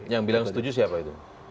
yang bilang setuju siapa itu